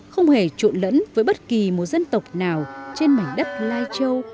không hề trộn lẫn với bất kỳ một dân tộc nào trên mảnh đất lai châu đậm đà bản sắc văn hóa